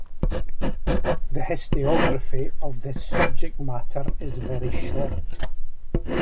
The historiography of this subject matter is very short.